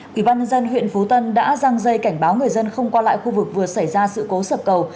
quỹ ban nhân dân huyện phú tân đã răng dây cảnh báo người dân không qua lại khu vực vừa xảy ra sự cố sập cầu